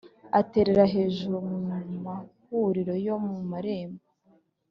Aterera hejuru mu mahuriro yo mu marembo,